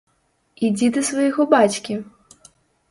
Ідзі да свайго бацькі!